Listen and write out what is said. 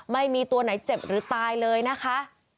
ไม่มีตัวไหนเจ็บหรือตายเลยนะคะ